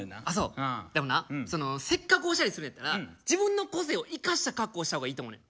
でもなせっかくおしゃれするんやったら自分の個性を生かした格好した方がいいと思うねん。